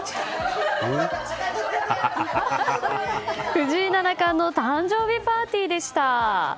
藤井七冠の誕生日パーティーでした。